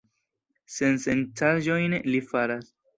Sensencaĵojn li faras!